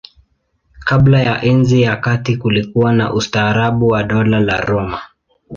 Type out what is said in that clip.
Kabla ya Enzi ya Kati kulikuwa na ustaarabu wa Dola la Roma.